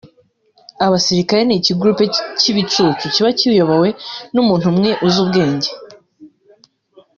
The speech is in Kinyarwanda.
abasirikali ni ikigroupe cy’ibicucu kiba kiyobowe n’umuntu umwe uzi ubwenge